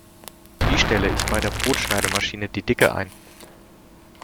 Wie stelle ich bei der Brotschneidemaschine die Dicke ein?